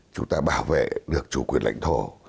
chúng ta bảo vệ được chủ quyền lãnh thổ